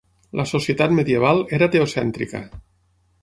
La societat medieval era teocèntrica.